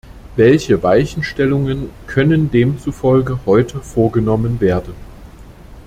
Welche Weichenstellungen können demzufolge heute vorgenommen werden?